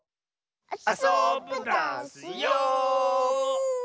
あそぶダスよ！